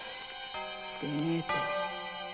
でねえと。